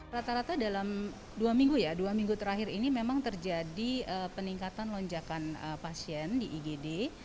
rata rata dalam dua minggu ya dua minggu terakhir ini memang terjadi peningkatan lonjakan pasien di igd